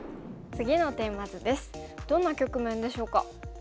どんな局面でしょうか。